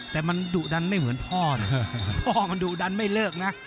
แต่มันดุดันไม่เหมือนพ่อนะพ่อมันดุดันไม่เลิกนะ